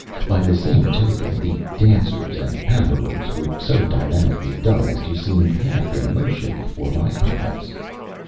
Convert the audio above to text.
By the same token, the dancers and hammerers were so dynamically done as to seem half in motion before my eyes.